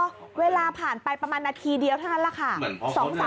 ก็เวลาผ่านไปประมาณนาทีเดียวเท่านั้นแหละค่ะ